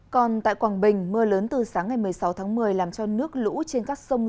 còn tại quảng bình mưa lớn từ sáng ngày một mươi sáu tháng một mươi làm cho nước lũ trên các sông